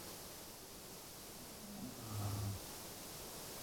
چې پر مخ پر ځمکه پروت و، ورغلی، دی ور خم شو.